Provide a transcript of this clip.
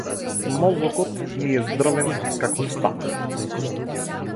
Мозокот ми е здрвен како стап.